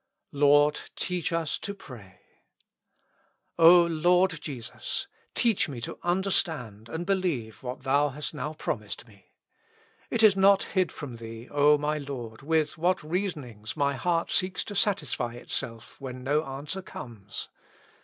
"Lord, teach us to pray." O Lord Jesus ! teach me to understand and believe what Thou hast now promised me. It is not hid from Thee, O my Lord, with what reasonings my heart seeks to satisfy itself when no answer comes.